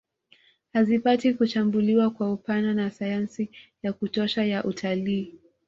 Hazipati kuchambuliwa kwa upana na sayansi ya kutosha ya utalii